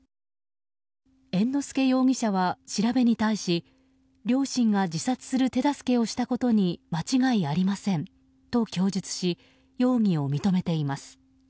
猿之助容疑者は調べに対し両親が自殺する手助けをしたことに間違いありませんと供述し容疑を認めています。